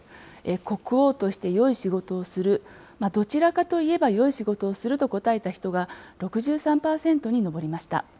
国王としてよい仕事をする、どちらかといえばよい仕事をすると答えた人が６３％に上りました。